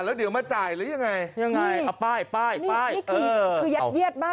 แล้วเดี๋ยวมาจ่ายหรือยังไงยังไงเอาป้ายป้ายป้ายนี่คือ